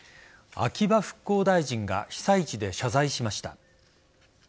秋葉復興大臣が被災地で謝罪しました。